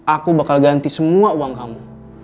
aku bakal ganti semua uang kamu